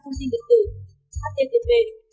thông tin điện tử http hcm edu vn